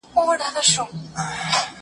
زه هره ورځ د ښوونځی لپاره امادګي نيسم؟!